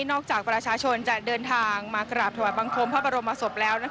จากประชาชนจะเดินทางมากราบถวายบังคมพระบรมศพแล้ว